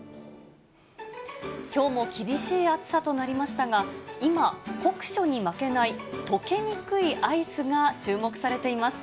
きょうも厳しい暑さとなりましたが、今、酷暑に負けない溶けにくいアイスが注目されています。